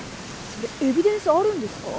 それエビデンスあるんですか？